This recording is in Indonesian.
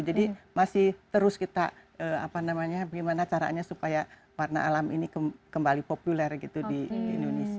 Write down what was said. jadi masih terus kita gimana caranya supaya warna alam ini kembali populer gitu di indonesia